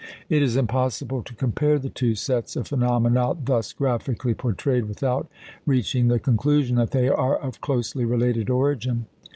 It is impossible to compare the two sets of phenomena thus graphically portrayed without reaching the conclusion that they are of closely related origin.